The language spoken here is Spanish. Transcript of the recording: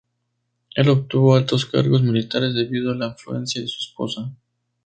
Él obtuvo altos cargos militares debido a la influencia de su esposa.